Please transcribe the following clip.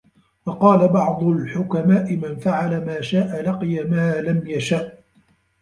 وَقَالَ بَعْضُ الْحُكَمَاءِ مَنْ فَعَلَ مَا شَاءَ لَقِيَ مَا لَمْ يَشَأْ